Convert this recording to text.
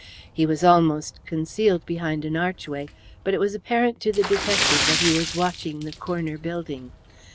He was almost concealed behind an archway, but it was apparent to the detective that he was watching the corner building.